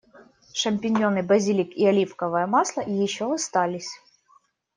Шампиньоны, базилик, и оливковое масло ещё остались.